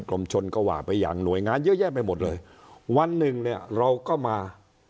รมชนก็ว่าไปอย่างหน่วยงานเยอะแยะไปหมดเลยวันหนึ่งเนี่ยเราก็มา